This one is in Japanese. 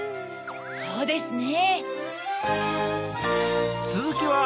そうですね。